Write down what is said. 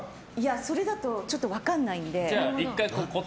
それだとちょっと分からないんで。